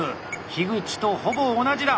口とほぼ同じだ！